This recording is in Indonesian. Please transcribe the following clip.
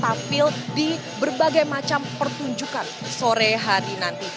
mereka bersiap siap untuk tampil di berbagai macam pertunjukan sore hari nanti